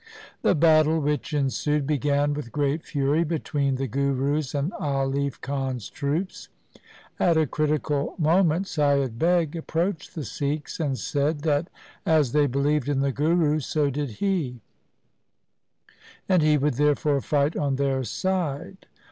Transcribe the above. The battle which ensued began with great fury between the Guru's and Alif Khan's troops. At a critical moment Saiyad Beg approached the Sikhs, and said that as they believed in the Guru, so did he, and he would therefore fight on their side.